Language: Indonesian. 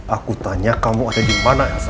aku tanya kamu ada dimana elsa